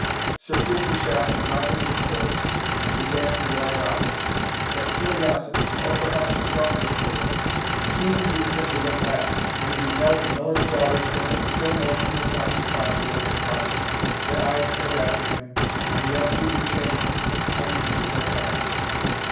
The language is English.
Sir Piercie Shafton mounted his horse, and began to ride off, but curiosity, or perhaps a stronger feeling, soon induced him to look back, when he beheld the Miller's daughter standing still motionless on the spot where they had parted, her eyes turned after him, and the unheeded chain hanging from her hand.